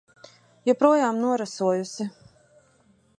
Joprojām norasojusi.